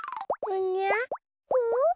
うん？